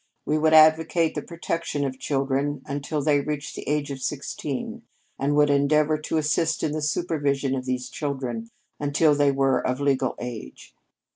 We would advocate the protection of children until they reached the age of sixteen; and would endeavor to assist in the supervision of these children until they were of legal age.